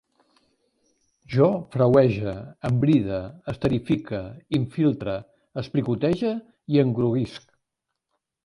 Jo frauege, embride, esterifique, infiltre, explicotege i engroguisc